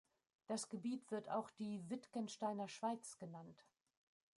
Das Gebiet wird auch die "Wittgensteiner Schweiz" genannt.